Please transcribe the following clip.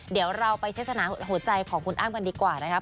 เดี๋ยวเราไปเทศนาหัวใจของคุณอ้ำกันดีกว่านะครับ